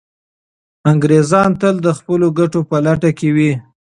انګریزان تل د خپلو ګټو په لټه کي وي.